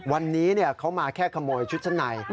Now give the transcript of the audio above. วันนี้เขามาแค่ขโมยชุดชั้นใน